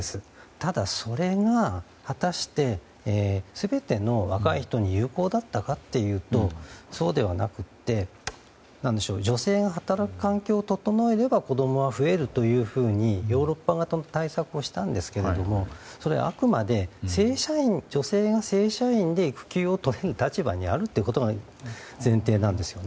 ただ、それが果たして全ての若い人に有効だったかというとそうではなくて女性が働く環境を整えれば子供は増えるというふうにヨーロッパ型の対策をしたんですがそれはあくまで、女性が正社員で育休をとれる立場にあるってことが前提なんですね。